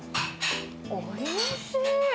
おいしい。